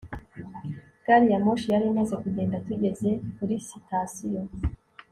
Gari ya moshi yari imaze kugenda tugeze kuri sitasiyo